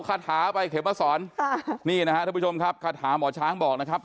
คาถาไปเข็มมาสอนค่ะนี่นะฮะท่านผู้ชมครับคาถาหมอช้างบอกนะครับ